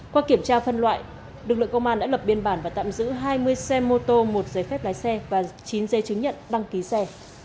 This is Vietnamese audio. qua kiểm tra phân loại lực lượng công an đã lập biên bản và tạm giữ hai mươi xe mô tô một giấy phép lái xe và chín dây chứng nhận đăng ký xe